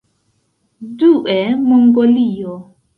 Due, Mongolio.